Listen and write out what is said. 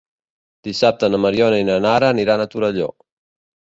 Dissabte na Mariona i na Nara aniran a Torelló.